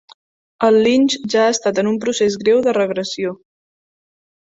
El linx ja ha estat en un procés greu de regressió.